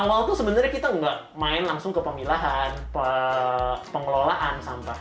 awal tuh sebenarnya kita nggak main langsung ke pemilahan pengelolaan sampah